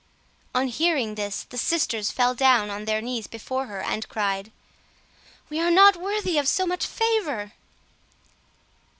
On hearing this the sisters fell down on their knees before her, and cried— "We are not worthy of so much favor!"